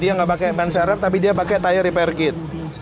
dia gak pake pensyaraf tapi dia pake tayar repair kit